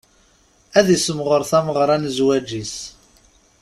Ad issemɣer tameɣra n zzwaǧ-is.